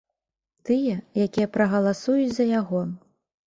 Тыя, якія прагаласуюць за яго.